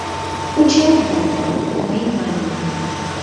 «Кучалтда!» мый маньым.